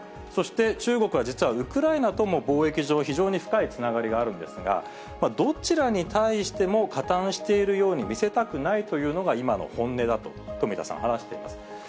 そして、中国は実はウクライナとも貿易上、非常に深いつながりがあるんですが、どちらに対しても、加担しているように見せたくないというのが今の本音だと、富田さん、話しています。